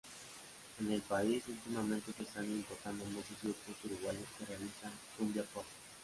En el país últimamente se están importando muchos grupos uruguayos que realizan "cumbia pop".